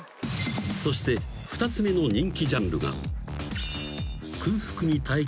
［そして２つ目の人気ジャンルが］